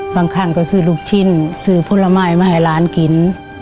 บางครั้งก็ซื้อลูกชิ้นซื้อผลไม้มาให้ร้านกิน